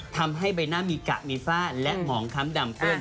ทำให้ใบหน้ามีกะมีฝ้าและหมองค้ำดำขึ้น